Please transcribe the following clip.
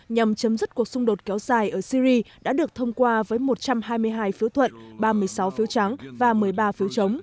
nhằm chấm dứt mọi cụm bao vây và tạo điều kiện cho hoạt động cứu trợ nhân đạo tại quốc gia này